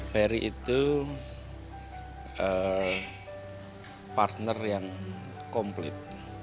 ferry itu partner yang komplit